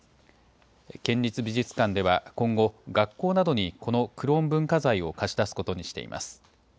県立美術館では今後、学校などにこのクローン文化財を貸し出すことにしています。